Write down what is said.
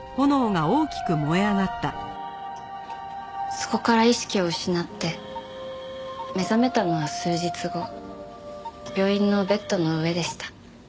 そこから意識を失って目覚めたのは数日後病院のベッドの上でした。